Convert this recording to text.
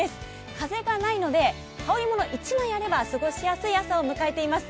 風がないので羽織りもの１枚あれば過ごしやすい朝を迎えています。